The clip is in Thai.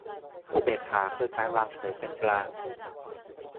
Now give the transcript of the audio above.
อุเบกขาคือการวางเฉยเป็นกลาง